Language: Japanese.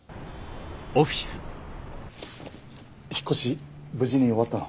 引っ越し無事に終わったの？